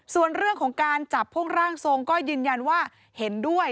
ส่วนเรื่องของการจับพวกร่างทรงก็ยืนยันว่าเห็นด้วย